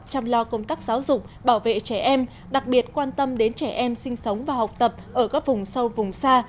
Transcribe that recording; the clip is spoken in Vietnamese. chăm lo công tác giáo dục bảo vệ trẻ em đặc biệt quan tâm đến trẻ em sinh sống và học tập ở các vùng sâu vùng xa